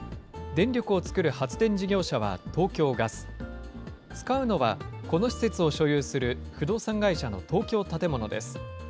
電力を作る発電事業者は東京ガス、使うのは、この施設を所有する不動産会社の東京建物です。